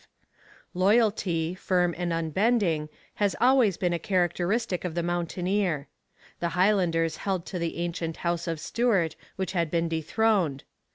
Loyalty, firm and unbending, has always been a characteristic of the mountaineer. The Highlanders held to the ancient house of Stuart which had been dethroned.